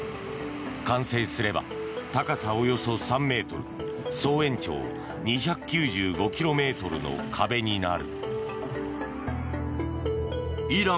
完成すれば高さおよそ３ｍ総延長２９５ｋｍの壁になる。